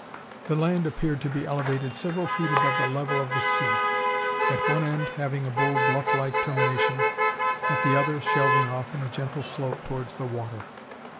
The land appeared to be elevated several feet above the level of the sea, at one end having a bold bluff like termination, at the other shelving off in a gentle slope towards the water.